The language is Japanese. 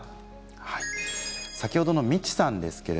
先ほどのみちさんです。